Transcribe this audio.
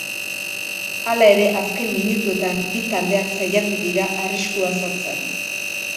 Hala ere, azken minutuetan bi taldeak saiatu dira arriskua sortzen.